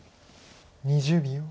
２０秒。